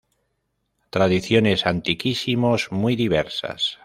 Tradiciones antiquísimos muy diversas.